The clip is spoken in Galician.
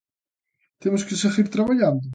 ¿Temos que seguir traballando?